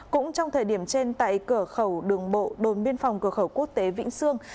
cũng trong thời điểm trên tại cửa khẩu đường bộ đồn biên phòng cửa khẩu quốc tế vĩnh sương